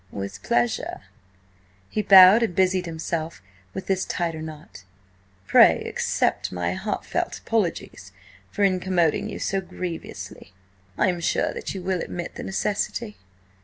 "With pleasure." He bowed and busied himself with this tighter knot. "Pray, accept my heartfelt apologies for incommoding you so grievously. I am sure that you will admit the necessity."